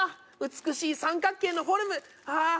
美しい三角形のフォルムああ